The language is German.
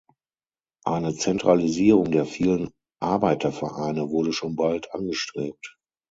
Eine Zentralisierung der vielen Arbeitervereine wurde schon bald angestrebt.